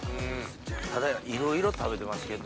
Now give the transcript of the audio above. ただいろいろ食べてますけど。